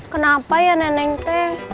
kenapa ya neneng teh